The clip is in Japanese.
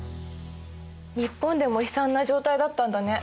日本でも悲惨な状態だったんだね。